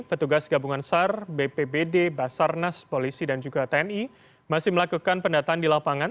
petugas gabungan sar bpbd basarnas polisi dan juga tni masih melakukan pendataan di lapangan